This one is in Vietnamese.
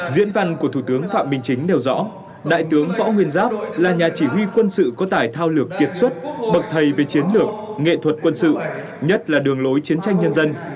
diễn văn của thủ tướng phạm minh chính nêu rõ đại tướng võ nguyên giáp là nhà chỉ huy quân sự có tải thao lược kiệt xuất bậc thầy về chiến lược nghệ thuật quân sự nhất là đường lối chiến tranh nhân dân